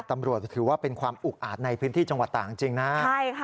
ถือว่าเป็นความอุกอาจในพื้นที่จังหวัดต่างจริงนะใช่ค่ะ